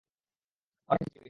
অনেক ভিজে গেছি।